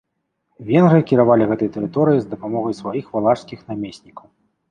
Венгры кіравалі гэтай тэрыторыяй з дапамогай сваіх валашскіх намеснікаў.